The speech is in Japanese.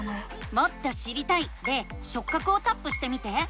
「もっと知りたい」で「しょっ角」をタップしてみて。